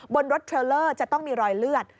บนรถเทรลเลอร์จะต้องมีรอยเลือด